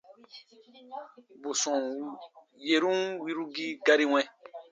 Bù sɔm yerun wirugii gari wɛ̃.